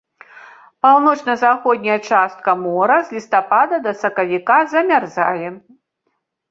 Паўночна-заходняя частка мора з лістапада да сакавіка замярзае.